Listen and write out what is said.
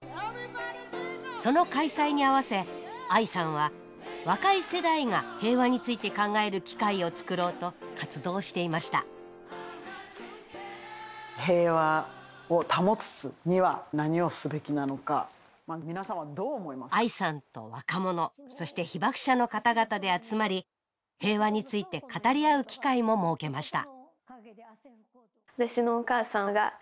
その開催に合わせＡＩさんは若い世代が平和について考える機会を作ろうと活動していましたＡＩさんと若者そして被爆者の方々で集まり平和について語り合う機会も設けました